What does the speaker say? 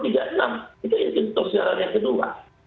itu inkonstitusional yang kedua